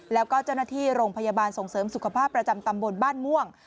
แล้วก็เจ้าหน้าที่โรงพยาบาลส่งเสริมสุขภาพประจำตำบลบ้านม่วง